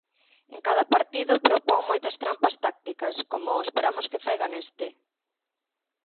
En cada partido propón moitas trampas tácticas, como esperamos que faga neste.